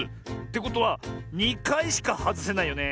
てことは２かいしかはずせないよね。